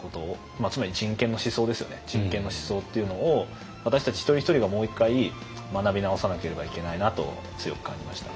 人権の思想っていうのを私たち一人一人がもう一回学び直さなければいけないなと強く感じました。